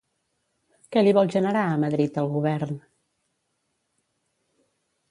Què li vol generar a Madrid el govern?